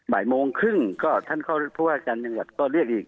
บ่ายโมงครึ่งก็ท่านผู้ว่าการจังหวัดก็เรียกอีก